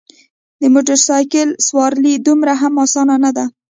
د موټرسایکل سوارلي دومره هم اسانه نده.